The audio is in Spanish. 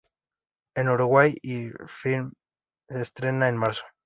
En Uruguay el film se estrena en marzo.